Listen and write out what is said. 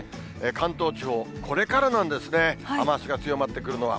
関東地方、これからなんですね、雨足が強まってくるのは。